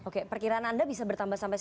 oke perkiraan anda bisa bertambah sampai